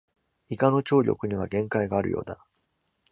イカの聴力には限界があるようだ。